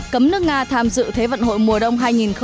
cấm nước nga tham dự thế vận hội mùa đông hai nghìn một mươi tám